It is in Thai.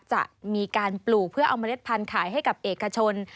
จะมีการปลูกเพื่อเอาเมล็ดพันธุ์ขายให้กับเอกชน